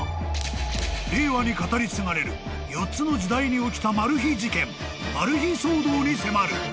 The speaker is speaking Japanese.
［令和に語り継がれる４つの時代に起きたマル秘事件マル秘騒動に迫る！］